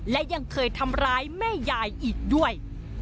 และยังเคยทำร้ายแม่ยายอีกด้วย